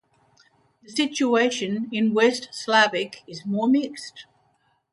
The situation in West Slavic is more mixed.